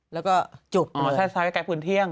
แล้วก็จุบเลยครับแสดงแกร๊บคือเอื่อนเที่ยง